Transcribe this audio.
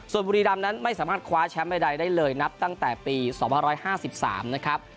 ส่วนบุรีรำนั้นไม่สามารถคว้าแชมป์ใดได้เลยนับตั้งแต่ปี๒๕๕๓นะครับ